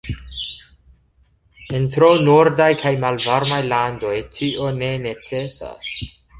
En tro nordaj kaj malvarmaj landoj, tio ne necesas.